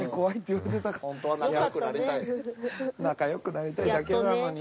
仲良くなりたいだけなのに。